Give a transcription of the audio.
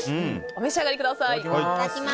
お召し上がりください。